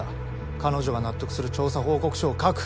彼女が納得する調査報告書を書く。